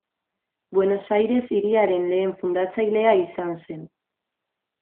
Buenos Aires hiriaren lehen fundatzailea izan zen.